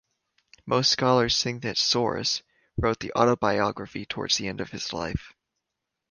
Most scholars think that Scaurus wrote the autobiography towards the end of his life.